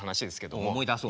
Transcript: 思い出そう。